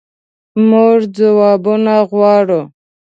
مونږ ځوابونه غواړو